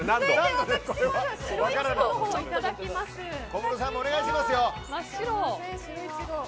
小室さんもお願いしますよ。